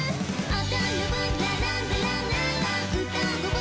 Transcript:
あ？